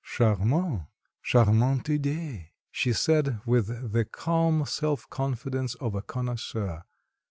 "Charmant, charmant idee," she said with the calm self confidence of a connoisseur.